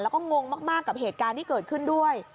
แล้วก็งงมากกับเหตุการณ์ที่เกิดขึ้นด้วย